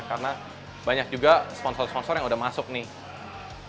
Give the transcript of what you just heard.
karena banyak juga sponsor sponsor yang sudah masuk nih